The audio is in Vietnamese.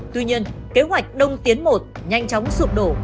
tuy nhiên kế hoạch đông tiến một nhanh chóng sụp đổ